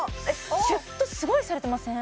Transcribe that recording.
シュッとすごいされてません？